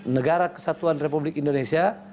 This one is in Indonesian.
negara kesatuan republik indonesia